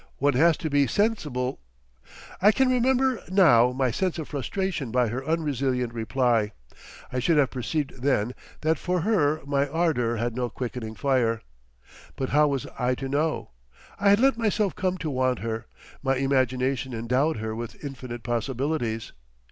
One has to be sensibl..." I can remember now my sense of frustration by her unresilient reply. I should have perceived then that for her my ardour had no quickening fire. But how was I to know? I had let myself come to want her, my imagination endowed her with infinite possibilities.